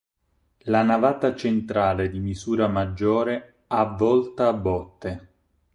La navata centrale di misura maggiore ha volta a botte.